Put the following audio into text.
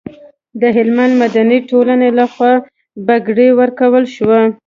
د هلمند مدني ټولنې لخوا بګړۍ ورکول شوه.